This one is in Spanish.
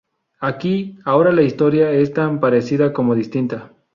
Aquí, ahora la historia es tan parecida como distinta.